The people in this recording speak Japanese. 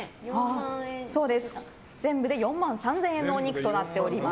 全部で４万３０００円のお肉となっております。